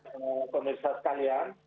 dan pemerintah sekalian